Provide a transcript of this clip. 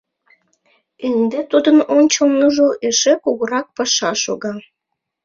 Ынде тудын ончылныжо эше кугурак паша шога.